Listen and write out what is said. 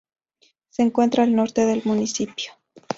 Se encuentra al norte del municipio.